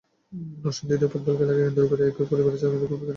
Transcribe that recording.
নরসিংদীতে ফুটবল খেলাকে কেন্দ্র করে একই পরিবারের চারজনকে কুপিয়ে জখম করা হয়েছে।